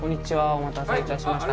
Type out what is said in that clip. お待たせいたしました。